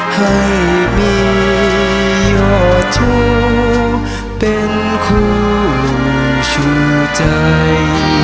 ให้มียอดชู้เป็นคู่ชูใจ